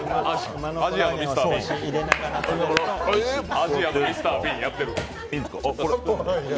アジアのミスタービーンやってる。